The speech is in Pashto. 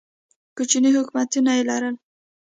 کوچني حکومتونه یې لرل.